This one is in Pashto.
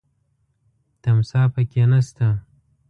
تمساح پکې نه شته .